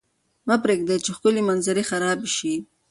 مه پرېږدئ چې ښکلې منظرې خرابې شي.